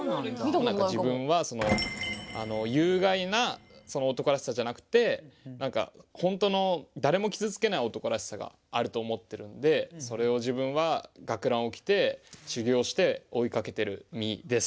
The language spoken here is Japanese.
自分はその有害な男らしさじゃなくて何かほんとの誰も傷つけない男らしさがあると思ってるんでそれを自分は学ランを着て修行して追いかけてる身です。